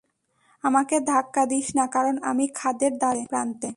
আমাকে ধাক্কা দিস না, কারন আমি খাদের দ্বারপ্রান্তে।